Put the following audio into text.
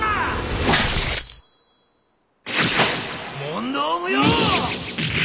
問答無用！